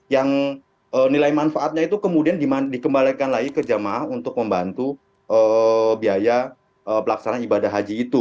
yang nilai manfaatnya itu kemudian dikembalikan lagi ke jamaah untuk membantu biaya pelaksanaan ibadah haji itu